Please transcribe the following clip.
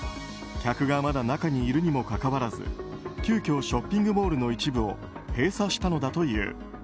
客がまだ中にいるにもかかわらず急きょショッピングモールの一部を閉鎖したのだという。